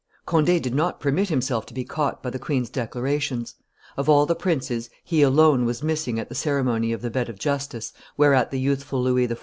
Conde did not permit himself to be caught by the queen's declarations: of all the princes he alone was missing at the ceremony of the bed of justice whereat the youthful Louis XIV.